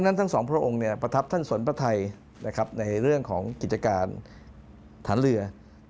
ทั้งสองพระองค์ประทับท่านสนพระไทยในเรื่องของกิจการฐานเรือ